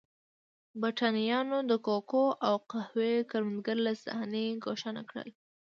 برېټانویانو د کوکو او قهوې کروندګر له صحنې ګوښه نه کړل.